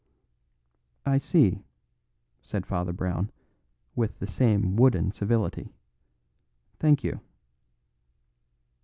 "I see," said Father Brown, with the same wooden civility. "Thank you."